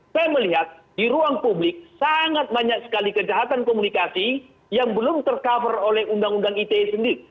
saya melihat di ruang publik sangat banyak sekali kejahatan komunikasi yang belum tercover oleh undang undang ite sendiri